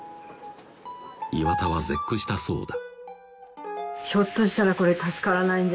岩田は絶句したそうだ